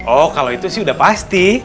oh kalau itu sih udah pasti